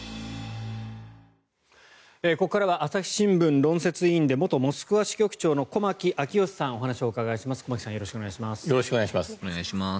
ここからは朝日新聞論説委員で元モスクワ支局長の駒木明義さんにお話をお伺いします。